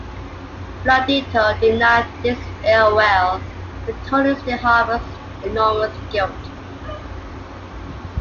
Blundetto denies this ill will, but Tony still harbors enormous guilt.